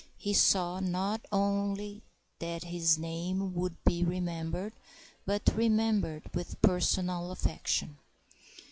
He saw not only that his name would be remembered, but remembered with personal affection.